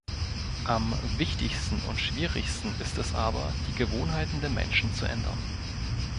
Am wichtigsten und schwierigsten ist es aber, die Gewohnheiten der Menschen zu ändern.